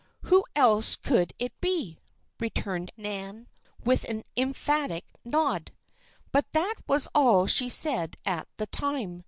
"Who else could it be?" returned Nan, with an emphatic nod. But that was all she said at the time.